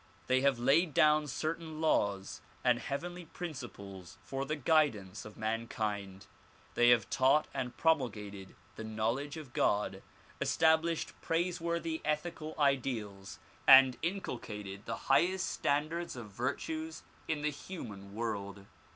They have laid down certain laws and heavenly principles for the guid ance of mankind. They have taught and promulgated the knowl edge of God, established praiseworthy ethical ideals and inculcated the highest standards of virtues in the human world.